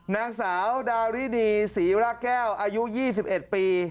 นางสาวดาริดีศรีราแก้วอายุ๒๑ปี